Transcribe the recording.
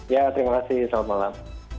ya terima kasih selamat malam